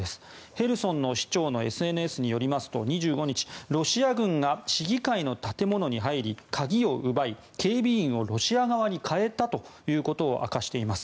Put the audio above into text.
ヘルソンの市長のＳＮＳによりますと２５日ロシア軍が市議会の建物に入り鍵を奪い、警備員をロシア側に代えたということを明かしています。